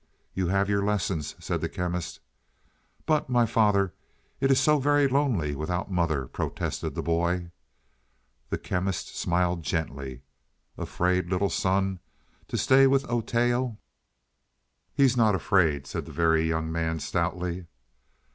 "You have your lessons," said the Chemist. "But, my father, it is so very lonely without mother," protested the boy. The Chemist smiled gently. "Afraid, little son, to stay with Oteo?" "He's not afraid," said the Very Young Man stoutly.